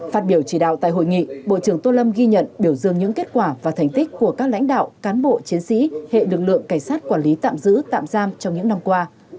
phát biểu chỉ đạo tại hội nghị bộ trưởng tô lâm ghi nhận biểu dương những kết quả và thành tích của các lãnh đạo cán bộ chiến sĩ hệ lực lượng cảnh sát quản lý tạm giữ tạm giam trong những năm qua